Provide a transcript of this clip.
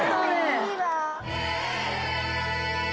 いいわ。